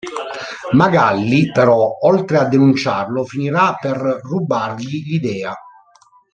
Magalli, però, oltre a denunciarlo, finirà per rubargli l'idea.